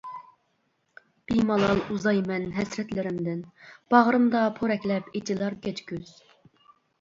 بىمالال ئۇزايمەن ھەسرەتلىرىمدىن، باغرىمدا پورەكلەپ ئېچىلار كەچ كۈز.